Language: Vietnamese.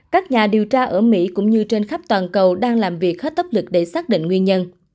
các nhà điều tra ở mỹ cũng như trên khắp toàn cầu đang làm việc hết tấp lực để xác định nguyên nhân